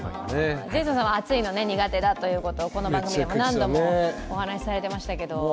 ジェイソンさんは暑いのが苦手だとこの番組でも何度もお話しされていましたけれども。